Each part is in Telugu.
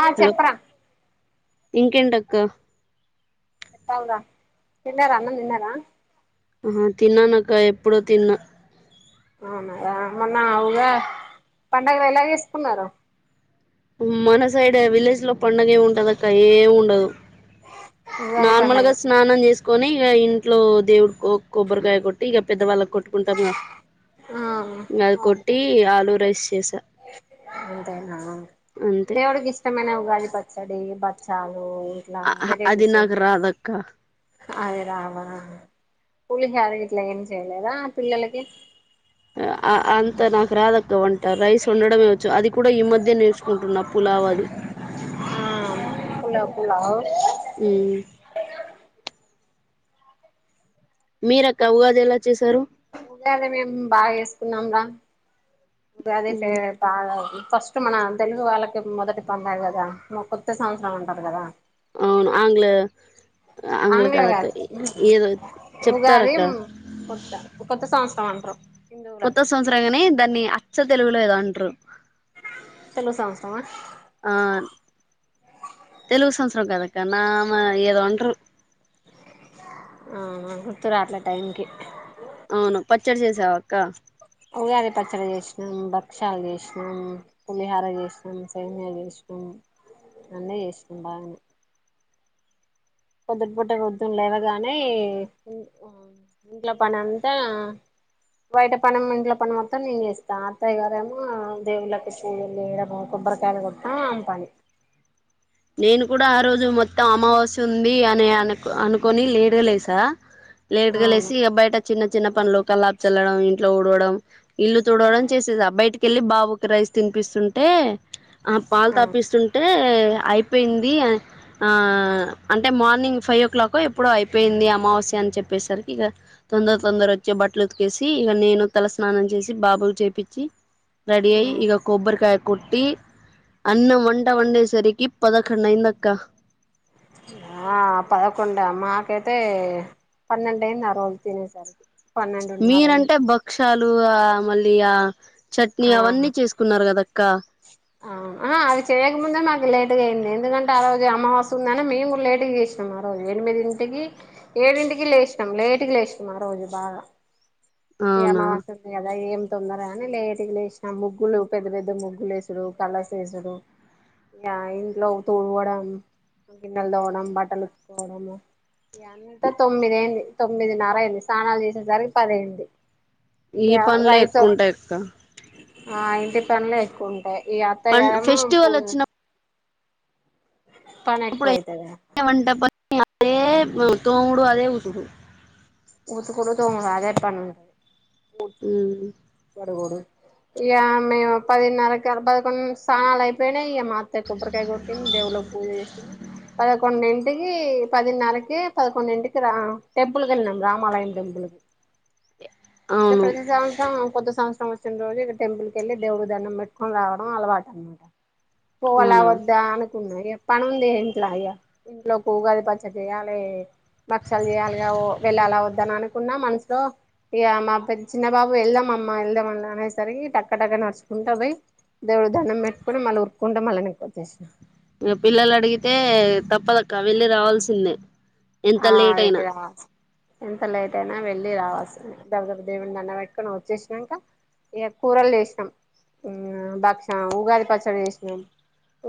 ఆ చెప్పరా ఇంకంటకా చెప్పాలిరా తన్నారా అన్న నిన్నారా ఆ తిన్నాన అక్క ఎప్పుడో తిన్నా అవునాదా మొన్న ఆఊగా పండగలు ఎలాగేసుకున్నారు మన సైడ్ విలేజ్ లో పండగ ఏమి ఉంటద అక్క ఏమి ఉండదు ఉగాది నార్మల్ గా పండగే స్నానం చేసుకు ట్కొని ఇక ఇంట్లో దేవుడు కొబ్బరికాయ కొట్టి ఇక పెద్దవాళ్ళకి కొట్టుకుంటాము ఆ అది అవును కొట్టి ఆలూ రైస్ చేసా అంతే దేవడికి ఇష్టమనే ఉగాలి పచ్చడి బచ్చాాలు ఆ ఆదినకు అదక్క అదే రావా పూలు చేద ఇట్లా ఏమి చేయలేదా పిల్లలకి అంత నాకు రాద త వంట రైస్ ఉండడమేవచ్చు అది కూడా ఈ మధ్య నేర్చుకుంటున్నా పులావ్ అది [inaudible] ఆ పులావ్ పులావ్ మీరక్క ఉగాది ఎలా చేసారు ఊగా అదే మేము బాగా చేేసుకున్నాం రా ఊగాదే బాగా అది ఫస్ట్ మన తెలుగు వాళ్ళకి మొదటి పంద కదా మ కొద్ది సంవత్సరం అంటారు కదా అవును ఆంగ్ అంగ్ల ఆంగ్ల కదక్క కాదు ఏదో చెప్తార ఉగాది అక్క కొత్త కొత్త సంవత్సరం అంటారు కొత్త హిందువులకి సంవత్సరంగానే దాన్ని అచ్చ తెలుగులో ఏదో అంటారు సంసారం ఆ తెలుగు సంవత్సరం కదక్క నామ ఏదోంటరు అవునా గుర్తురు అట్లా టైంకి అవును పచ్చడి చేసావాక్క ఉగాది పచ్చడి చేసినాం భక్షాలు చేసినాం పులిహార చేసినాం సైన్యాలు చేసినాం అన్నే చేస్తాం బాగానే కొద్దుటి పుట్ట వద్దుం లేవగానే ఇంట్లో పని అంతా బయట పను ఇంట్ల పని మొత్తం నేను చేస్తా అత్తయ్య గారేమో దేవుళ్ళకి పూజలుయడం కొబ్బ్రకాయలు కొట్టా అం పనిి [inaudible] నేను కూడా ఆ రోజు మొత్తం అమావస్య ఉంది అన్నీ అనుకొని లేటుగాలేస లేటుగా అవును లేసి బయట చిన్న చిన్న పనులు కల్లాపు చల్లడం ఇంట్లో ఊడవడం ఇల్లు తుడవడం చేసేస బయటికెళ్ళి బాబుకి రైస్ తినిపిస్తుంటే ఆ పాలు తపిస్తుంటే ఐ అపోయింది ఆ అంటే మార్నింగ్ ఫైవ్ ఓ క్లాక్ ఎప్పుడు అయిపోయింది అమావస్య అని చెప్ప చెప్పేసరికి ఇంక తొందర తొందర వచ్చే బట్టలు ఉతికేసి ఇంక నేను తల స్నానం చేసి బాబుకి చెప్పించి రెడీ అయి ఇక కొబ్బరికాయ కొట్టి అన్నం వంట వండె సరికి పదకండు అయింద అక్క ఆ పదకొండ మా కెతే పన్నెండైంది ఆరోజు తినేసారికి మీ రంటే భక్షలు ఆ మళ్ళీ ఆ చట్నీ అవన్నీ చేసుకున్నారు కద అక్క అ అవి చేయకముందే మాకు లేటుగా అయింది ఎందుకంటే ఆ రోజు అమావాస్య ఉంది అని మేము కూడా లేటుగా చేస్తున్నాము ఆ రోజు ఎనిమి ఏడింటికి ఏడింటికి లేసిన లేటుగా ఆ రోజు బాగా ఈ అవునా అమావాస్య ఉందికదా ఏమి తొందర నేను లేటుగ లేసిన ముగ్గులు పెద్ద పెద్ద ముగ్గులు వేసుడు కలర్స్ వేసుడు ఆ ఇంట్లో తుడవడం గిన్నెలు తోమడం బట్టలు ఉతుక్కోవడం ఇదంత తొమ్మిది అయింది తొమ్మిదిన్నర అయింది స్నానాలు చేసేసరికి పది అయింది ఈ పనులే ఎక్కువ ఉంటాయక్క ఆ ఇంటి పనులే ఎక్కువంటాయి ఈ పం అత్తగారేమో పూ ఫెస్టివల్ వచ్చినప్పుడు పని ఎక్కువైతదిర అన్నీ తోముడు అదే ఉంటది ఊతుకుడు తోముడు అదే పని ఊకె మ్మ్ కడుగుడు ఇక మేము పదిన్నర పదకొండు స్నానాలు అయిపోయినయి ఇక మా అత్తయ్య కొబ్బరికాయ కొట్టింది దేవుళ్ళకు పూజ చేసింది పదకొండింటికి పదిన్నరకి పదకొండింటికి రా టెంపుల్ కి వెళ్నాము రామాలయం టెంపుల్కి అంటే అవును ప్రతి సంవత్సరం కొత్త సంవత్సరం వచ్చిన రోజు ఇక టెంపుల్కెళ్ళి దేవుడికి దండం పెట్టుకుని రావడం అలవాటు అన్నమాట పోవాల అవునా వద్దా అనుకున్నా ఇగ పనుంది ఇంట్ల ఇగ ఇంట్లకు ఉగాది పచ్చడి చెయాలే భక్షాలు చేయాలిగా వెళ్ళాలా వద్దా అనుకున్నా మనసులో ఇక మా పె చిన్నబాబు వెళ్దాం అమ్మ వెళ్దాం అనేసరికి టక్క టక్క నడుచుకుంట పోయి దేవుడికి దండం పెట్టుకుని మళ్ళీ ఉరుక్కుంట మళ్ళ ఎనక్కి వచ్చేసిన ఇగ పిల్లలు అడిగితే తప్పదక్క వెళ్ళి రావాల్సిందే ఎంత ఆ లేట్ అయినా వెళ్ళి రావాల్సిందే ఎంత లేట్ అయినా వెళ్ళి రావాల్సిందే దబ్బ దబ్బ దేవుడికి దండం పెట్టుకుని వచ్చేసినాక ఏ కూరలు చేసినాం భక్షం ఉగాది పచ్చడి చేసినాం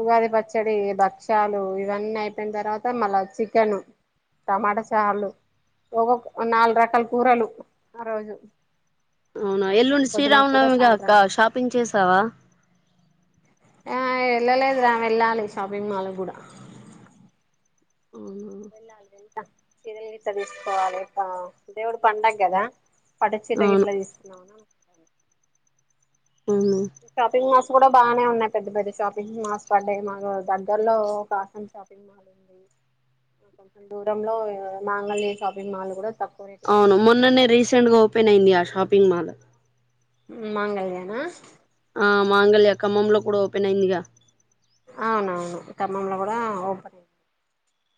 ఉగాది పచ్చడి భక్షాలు ఇవన్నీ అయిపోయిన తర్వాత మళ్ళా చికెను టమాటా చార్లు ఒక నాలుగు రకాల కూరలు ఆ రోజు అవునా ఎల్లుండి పొద్దున కూర సాయంత్రం శ్రీరామనమిగాక్క షాపింగ్ చేసావా ఆ వెళ్ళలేదు రా వెళ్ళాలి షాపింగ్ మాల్ కూడా అవునా వెళ్ళాలి వెళ్తా చిరలు గిట్ల తీసుకోవాలి దేవుడి పండగ కదా పట్టుచీర అవును గిట్ల తీసుకుందాం అని అనుకుంటాన్న అవును షాపింగ్ మాల్స్ కూడా బాగానే ఉన్నాయి పెద్ద పెద్ద షాపింగ్ మాల్స్ పడ్డాయి మాకు దగ్గర్లో కాసం షాపింగ్ మాల్ ఉ ఆ కొంచెం దూరంలో మాంగళ్య షాపింగ్ మాల్ కూడా తక్కువ రేటు అవును దొరుకుతున్నాయి మొన్ననే రీసెంట్గ ఓపెన్ అయింది ఆ షాపింగ్ మాల్ మాంగళ్యానా ఆ మాంగళ్య ఖమ్మంలో కూడా ఓపెన్ అయిందిగా అవునవును ఖమ్మంలో కూడా ఓపెన్ అయింది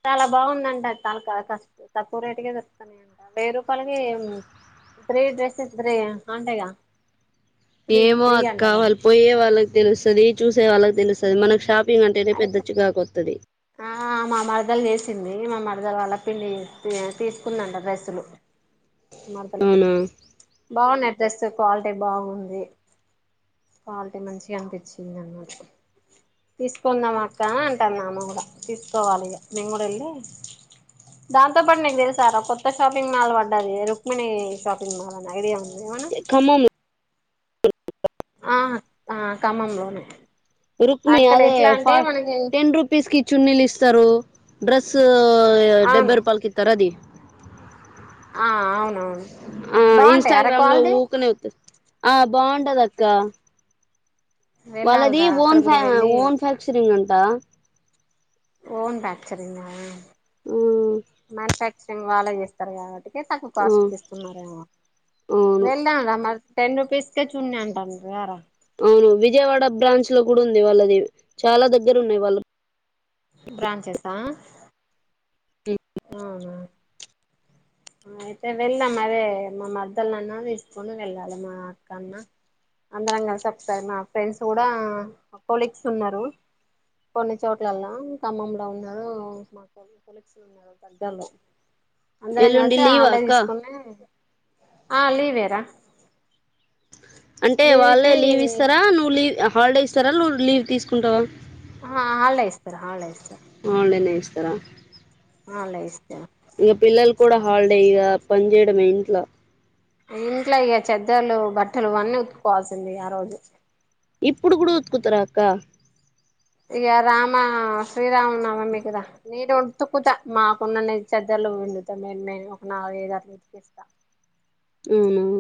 చాలా బాగుందంట చాలా తక్ తక్కువ రేటుకే దొరుకుతాన్నాయింట వెయ్యి రూపాయలకే ఇపుడే డ్రెస్ ఇపుడేయి [unintelligible] ఏమో అక్క వాళ్ళు పోయే వాళ్ళకి తెలుస్తది చూసే వాళ్ళకి తెలుస్తది మనకు షాప్ పింగ్ అంటేనే అయితే పెద్ద చికాకు వస్తది ఆ మా మరదలు చేసింది మా మరదల వాల్ల పిన్ని తీసుకుందంట డ్రెస్సులు మా మరదలికి అవునా బాగున్నాయి డ్రెస్సు క్వాలిటీ బాగుంది క్వాలిటీ మంచిగ అనిపించింది అన్నమాట తీసుకుందాం అక్క అంటాంది ఆమె కూడా తీసుకోవాలి ఇక మేము కూడా వెళ్ళి దాంతో పాటు నీకు తెలుసారా కొత్త షాపింగ్ మాల్ పడ్డది రుక్మిణి షాపింగ్ మాల్ అని ఐడియా ఉందా ఔను ఖమ్మం ఆ ఆ ఖమ్మంలో అవును రుక్మి అదే ఫ టెన్ రూపీస్ కి చున్నీలు ఇస్తరు డ్రెస్ డెబ్బై అవును రూపాయలకి ఇత్తరు అది ఆ అవునవును ఆ బాగుంటాయి అరా ఇన్స్టాగ్రామ్ లో క్వాలిటీ ఊకనే ఒత్తయి ఆ బాగుంట ఉండదక్కా వాళ్ళది వెళ్ళాలిరా అక్కడ ఓన్ ఫ కూడా వెళ్ళి ఓన్ ఫ్యాక్చరింగ్ అంటా ఓన్ ఫ్యాక్చరింగ్ గా మ్యాన్ ఫ్యాక్చరింగ్ వాళ్లే చేస్తారు కాబట్టి ఎందుకంత తక్కువ ఆ కాస్ట్ ఇస్తున్నారే అవును వెళ్ళాం రా మరి టెన్ రుపీస్ కే చున్ని [unintelligible] అవును విజయవాడ బ్రాంచ్ లో కూడా ఉంది వాళ్ళది చాలా దగ్గర ఉన్నాయి వాళ్ళు బ్రాంచెస్ ఆ అవునా అయితే వెళ్దాం అదే మా మరదల్నాన్న తీసుకుని వెళ్లాలన్న మా అక్కన్న అందరం [unintelligible] మా ఫ్రెండ్స్ కూడా కొలీగ్స్ ఉన్నారు కొన్ని చోట్లల్ల ఆ ఖమ్మంలో ఉన్నారు మా కొలీగ్స్ ఉన్నారు దగ్గర్లో అందరం ఎల్లుండి కలిసి లీవా హాలిడేస్ అక్క తీసుకునే ఆ లీవే రా అంటే వాళ్ళే లీవ్ ఇస్తారా నువ్వు లీ లీవ్ హాలిడే ఇస్తారా నువ్వు లీవ్ తీసుకుంటావా ఆ ఆలే ఇస్తరు ఆలే ఇస్తరు ఇస్తర ఆలే ఇస్త ఇంకా పిల్లలు కూడా హాలిడే ఇగ పని చేయడమే ఇంట్లో ఇంట్లో ఇక చెత్తలు బట్టలు అన్నీ ఉతుకోవాల్సిందే ఆ రోజు ఇప్పుడు కూడా ఉతుకుతార అక్క ఇగ రామ శ్రీరామ్ నవమి కదా నీటి ఉ ఉతుక్కుతా మాకున్ననా చెద్దలు పిండుతా మేమే ఒక నాలుగైదు అట్లా వెతికేస్తా ఉమ్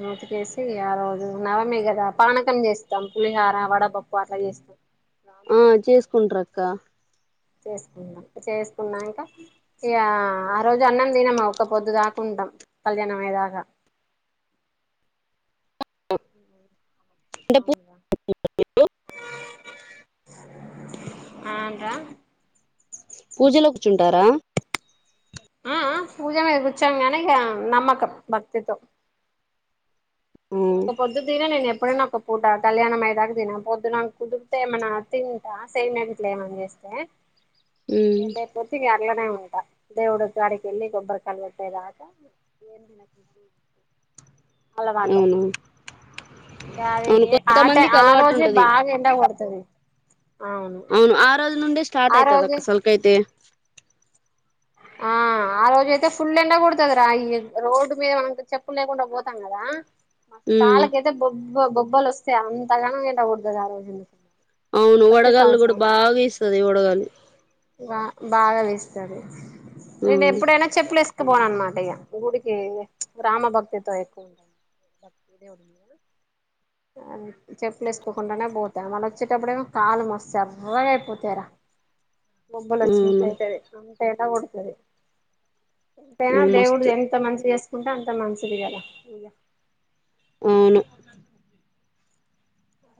నూతికేసి ఆ రోజు నవమీ కదా పానకం చేస్తాం పులిహార వడపప్పు అట్లా చేస్తాం ఆ చేసుకుంట్రక్క చేసుకున్నాం చేసుకున్నాక ఇ గ ఆ రోజే అన్నం తినమా ఒక్కపొద్దు దాకా ఉ కల్యాణం అయ్యేదాకా అంటే పూ అవును కదా ఆ అట పూజలో కూర్చుంటారా ఆ అహ పూజమ కుచ్చగానే ఇగ నమ్మకం భక్తితో ఆ, ఒక పొద్దుదిన నేను ఎప్ ఎప్పుడైనా ఒక పూట కళ్యాణం అయ్యేదాకా తిన పొద్దున కుదిరితే ఏమైన్నా తింటా సేమ్ట్లే ఏమని చేస్త ఉమ్, [unintelligible] త దేవుడు కాడికి ఎళ్లి కొబ్బరికాయలు కొట్టే దాకా అవును ఆ అది అవును ఆ తే కొంతమందికి ఆ అలవాటు రోజే ఉంటది బాగా ఎండ కోడతాది అవును ఆ రోజు నుండే స్టార్ట్ ఆ అయితాది రోజే అక్క సంక అయితే ఆ ఆ రోజు అయితే ఫుల్ ఎండ కొడతాది రా ఈ రోడ్డు మీద మనం చెప్పు లేకుండా పోతాం కదా ఉమ్. కాలకైతే బొబ్బ బొబ్బలు వస్తాయి అంతగాన ఎండ కోడతాది ఆ రోజులో అవును ప్రతి వడగాళ్ళు కూడా సంవత్సరం బాగా ఇస్తది వడగాలి బ బాగా వ ఆ నేను ఎప్పుడైనా చెప్పులేస ఎతి బో నా అనమాట ఇగ గుడికి రామ భక్తితో ఎక్కువ [unintelligible] అ చెప్పులు వేసుకోకుండానే పోతా వచ్చేటప్పుడు ఏమో కాలు మస్త ఎర్రగాయిపోతాయి రా అ మబలు వచ్చినట్ట అయితది అంట ఎటా ఉంటాది ఎంతైనా అవును దేవుడు మస్తు ఎంత మంచి చేసుకుంటే అంత మంచిది కదా ఇగ అవును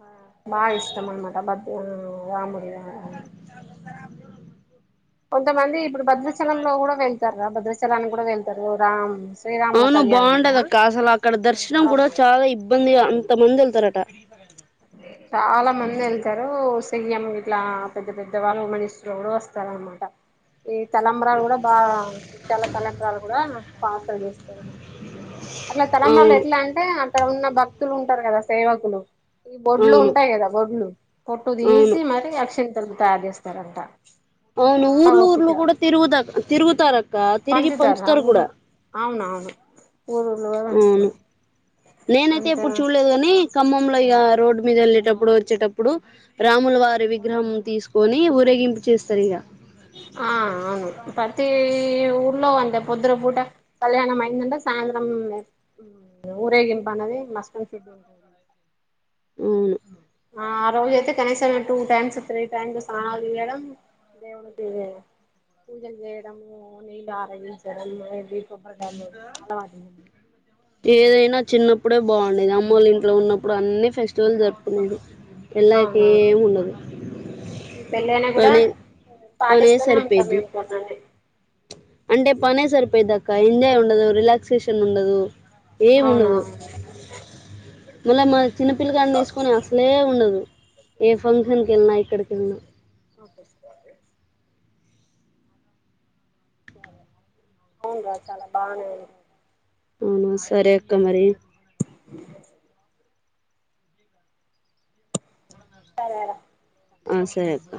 ఆ బా ఇష్టం అనమాట బద్ రాములు [unintelligible] కొంతమంది ఇప్పుడు భద్రాచలంలో కూడా వెళ్తార రా భద్రాచలానికి కూడా వెళ్తారు రామ్ శ్రీరాముల అవును బాగుంటది కళ్యాణగా అక్క అసలు అక్కడ దర్శనం కూడా చాలా ఇబ్బందిగా అంత మంది వెళ్తారట చాలా మంది వెళ్తారు సీఎం ఇట్లా పెద్ద పెద్ద వాళ్ళు మినిస్టర్ కూడా వస్తారన్నమాట ఈ తలంబ్రాలు కూడా బా ముత్యాల తలంబ్రాలు కూడా పార్సల్ చేస్త అట్లా తలంబ్రాలు అవును ఎట్లా అంటే అక్కడ ఉన్న భక్తులు ఉంటారు కదా సేవకులు ఈ బొడ్లు అవును ఉంటాయి కదా వడ్లు పొట్టు అవును తీసి మరి అక్షింతలు తయారు చేస్తారంట అవును చాలా ఊర్లు ఓపిక ఊర్లు కూడా తిరుగుదకా తిరుగుతారక్క తిరిగి ఆ పంచుతారు ఊరు కూడా అవునవును ఊరుఊర్లో కూడా అవును పంచుతారు నేనైతే అంత ఎప్పుడు చూడలేదు కాని ఖమ్మంలో ఇక రోడ్డు మీద వెళ్ళేటప్పుడు వచ్చేటప్పుడు రాములు వారి విగ్రహం తీసుకొని ఉరే గింపు చేస్తారు ఇక ఆ అవును పతి ఊర్లో అంట పొద్దున పూట కళ్యాణం అయిందంటే సాయంత్రం ఊరేగింపు అనేది మస్ట్ అండ్ శుడ్ ఉంటది అవును ఆ రోజు అయితే కనీసం టూ టైమ్స్ త్రీ టైమ్స్ స్నానాలు జేయడం దేవుని దీవెన పూజలు చేయడము నీళ్ళు ఆరగించడం కొబ్బరికాయలు కొట్టడం అలవాటు ఏదైనా చిన్న అప్పుడే బాగుండేది అమ్మోళ్ల ఇంట్లో ఉన్నప్పుడు అన్ని ఫెస్టివల్ జరుపుకున్నాది ఎలాకి ఏం ఉన్నదు పెళ్ళ అనా కూడా పనే పాటిస్తూనే ఉంటాం సరిపోయిద్ది మేము కొన్నాని అంటే పనే సరిపోయదాక్క ఎంజాయ్ ఉండదు రిలాక్సేషన్ ఉండదు ఏం అవునా ఉండదు మళ్ళీ మ చిన్నపిల్లకాడ వేసుకొని అసలే ఉండదు ఏ ఫంక్షన్కి వెళ్ళినా ఎక్కడికి వెళ్నా కస్ అవును రా చాలా బాగానే అవున సరే అక్క మరి సరేరా ఆ సరే అక్క